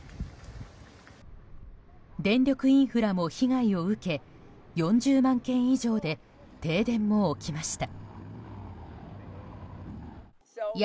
電力インフラも被害を受け４０万軒以上で停電も起きました。